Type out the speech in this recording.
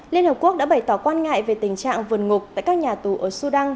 liên hợp quốc đã bày tỏ quan ngại về tình trạng vườn ngục tại các nhà tù ở sudan